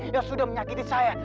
yang sudah menyakiti saya